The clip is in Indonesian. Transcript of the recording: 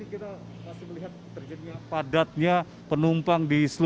ini kita kasih melihat terjadinya padatnya penumpang di seluruh